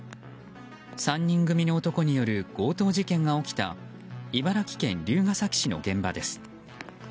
３人組の男による強盗事件が起きた茨城県龍ケ崎市の現場です。